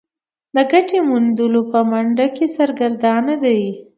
د ګټې موندلو په منډه کې سرګردانه دي.